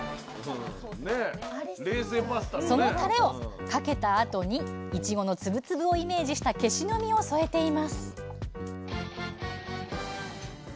そのたれをかけたあとにいちごの粒々をイメージしたけしの実を添えています